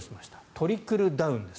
トリクルダウンです。